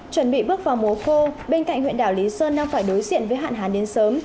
chuẩn bị bước vào mùa khô bên cạnh huyện đảo lý sơn đang phải đối diện với hạn hán đến sớm